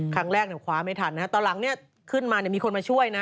ครั้งแรกเนี่ยคว้าไม่ทันนะฮะตอนหลังเนี่ยขึ้นมาเนี่ยมีคนมาช่วยนะ